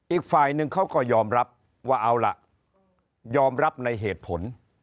อีกฝ่ายหนึ่งเขาก็ยอมรับว่าเอาล่ะยอมรับในเหตุผล